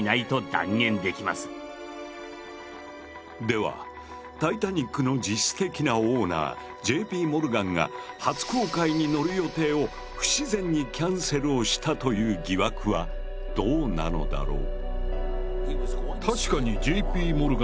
ではタイタニックの実質的なオーナーＪ．Ｐ．モルガンが初航海に乗る予定を不自然にキャンセルをしたという疑惑はどうなのだろう。